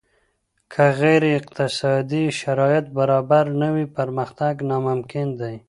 که غير اقتصادي شرايط برابر نه وي پرمختګ ناممکن دی.